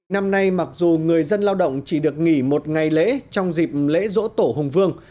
năm nay mặc dù người dân lao động chỉ được nghỉ một ngày lễ trong dịp lễ rỗ tổ hùng vương